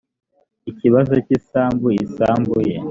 ikibazo cy isambu isambu ye